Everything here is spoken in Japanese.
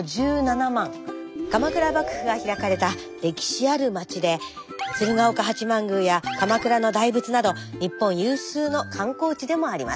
鎌倉幕府が開かれた歴史ある町で鶴岡八幡宮や鎌倉の大仏など日本有数の観光地でもあります。